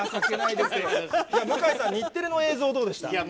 向井さん、日テレの映像どうでしたろ？